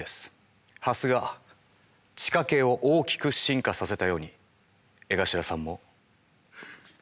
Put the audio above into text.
ハスが地下茎を大きく進化させたように江頭さんも。